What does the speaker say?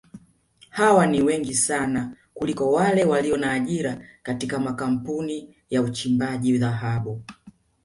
Hawa ni wengi sana kuliko wale walio na ajira katika makampuni ya uchimbaji dhahabu